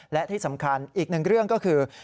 และที่สำคัญอีกหนึ่งเรื่องก็คือ